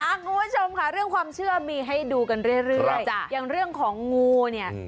ว๊าวคุณผู้ชมค่ะเรื่องความเชื่อมีให้ดูกันเรื่อย